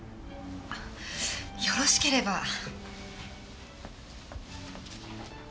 あっよろしければ。